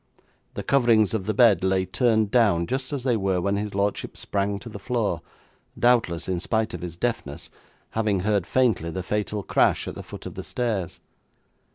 The coverings of the bed lay turned down just as they were when his lordship sprang to the floor, doubtless, in spite of his deafness, having heard faintly the fatal crash at the foot of the stairs.